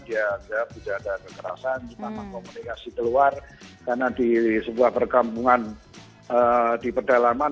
dia jawab tidak ada kekerasan kita mengkomunikasi keluar karena di sebuah perkampungan di pedalaman